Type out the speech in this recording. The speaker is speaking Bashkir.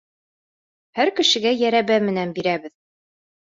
Һәр кешегә йәрәбә менән бирәбеҙ.